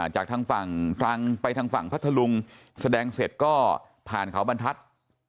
จากทางฝั่งตรังไปทางฝั่งพัทธลุงแสดงเสร็จก็ผ่านเขาบรรทัศน์